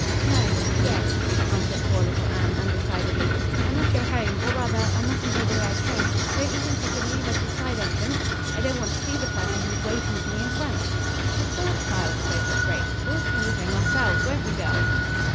"No yes ," answered poor little Anne, undecidedly. "I must go home, or rather I mustn't go the way I came. Don't you think I could leave at a side entrance? I don't want to see the person who is waiting for me in front." "Of course, child," spoke up Grace. "We'll see you home ourselves. Won't we, girls!"